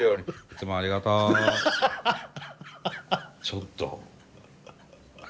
ちょっと。